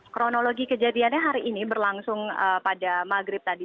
kronologi kejadiannya hari ini berlangsung pada maghrib tadi